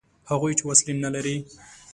هغوی چې وسلې نه لري.